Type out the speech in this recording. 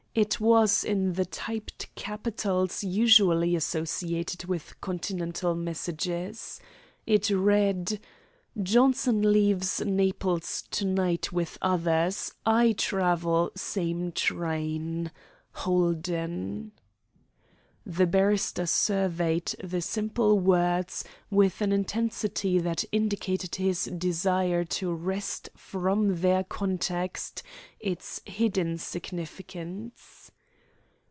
It was in the typed capitals usually associated with Continental messages. It read: "Johnson leaves Naples to night with others, I travel same train. HOLDEN." The barrister surveyed the simple words with an intensity that indicated his desire to wrest from their context its hidden significance.